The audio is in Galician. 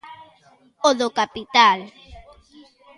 O do capital.